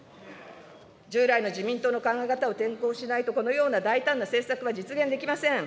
従来の自民党の考え方を転向しないとこのような大胆な政策は実現できません。